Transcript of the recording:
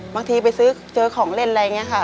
ไปซื้อเจอของเล่นอะไรอย่างนี้ค่ะ